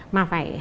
mà phải hạng